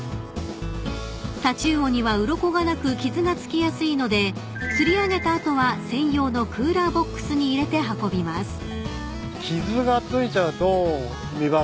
［タチウオにはうろこがなく傷が付きやすいので釣り上げた後は専用のクーラーボックスに入れて運びます］